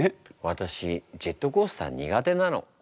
わたしジェットコースター苦手なの。